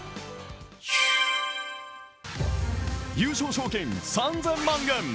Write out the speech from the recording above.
優勝賞金３０００万円。